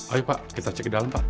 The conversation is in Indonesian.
ayo pak kita cek ke dalam pak